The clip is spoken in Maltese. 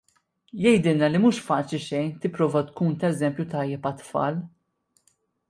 Jgħidilna li mhu faċli xejn tipprova tkun ta' eżempju tajjeb għat-tfal.